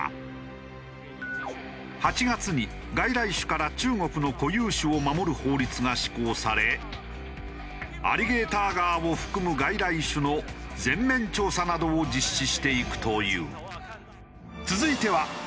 ８月に外来種から中国の固有種を守る法律が施行されアリゲーターガーを含む外来種の全面調査などを実施していくという。